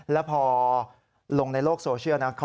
แล้วพอลงในโลกโซเชียลนะ